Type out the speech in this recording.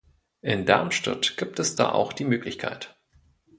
In Darmstadt gibt es da auch die Möglichkeit.